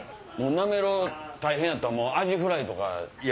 なめろう大変やったらもうアジフライとか。